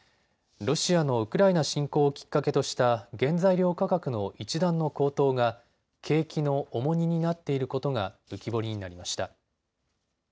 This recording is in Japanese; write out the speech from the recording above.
ロシアのウクライナ侵攻をきっかけとした原材料価格の一段の高騰が景気の重荷になっていることが浮き彫りになりました。